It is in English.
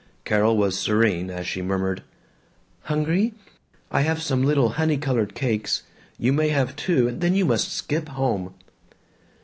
Carol was serene as she murmured, "Hungry? I have some little honey colored cakes. You may have two, and then you must skip home."